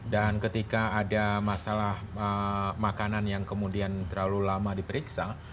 dan ketika ada masalah makanan yang kemudian terlalu lama diperiksa